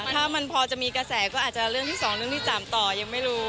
ถ้ามันพอจะมีกระแสก็อาจจะเรื่องที่๒เรื่องที่๓ต่อยังไม่รู้